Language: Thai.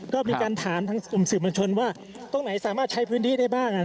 ก็มีการถามทางอุมสิวปัญชนว่าตรงไหนสามารถใช้พื้นที่ได้บ้างนะครับ